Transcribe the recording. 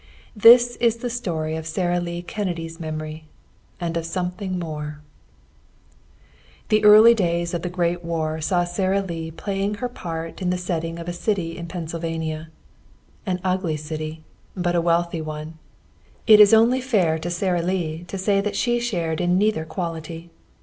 This is the story of Sara Lee Kennedy's memory and of something more. The early days of the great war saw Sara Lee playing her part in the setting of a city in Pennsylvania. An ugly city, but a wealthy one. It is only fair to Sara Lee to say that she shared in neither quality.